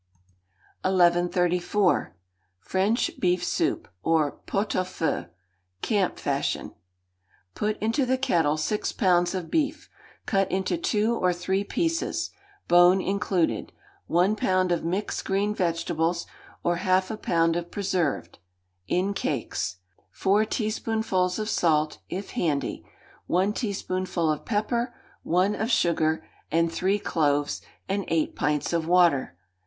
1134. French Beef Soup, or Pot au Feu (Camp Fashion). Put into the kettle six pounds of beef, cut into two or three pieces, bone included; one pound of mixed green vegetables, or half a pound of preserved, in cakes; four teaspoonfuls of salt; if handy, one teaspoonful of pepper, one of sugar, and three cloves; and eight pints of water.